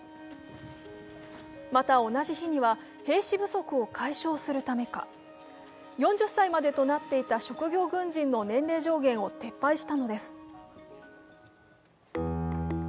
また同じ日には兵士不足を解消するためか４０歳までとなっていた職業軍人の年齢上限を撤廃したのです。